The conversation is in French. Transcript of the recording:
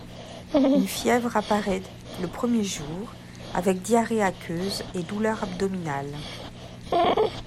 Une fièvre apparaît le premier jour avec diarrhée aqueuse et douleurs abdominales.